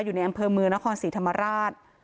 อยู่ในอำเภอเมืองนครศรีธรรมราช